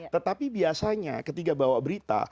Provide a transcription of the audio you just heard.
tetapi biasanya ketika bawa berita